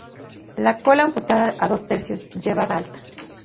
La cola amputada a dos tercios, llevada alta.